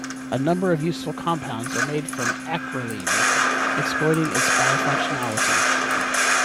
A number of useful compounds are made from acrolein, exploiting its bifunctionality.